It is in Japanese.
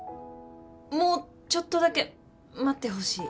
もうちょっとだけ待ってほしい。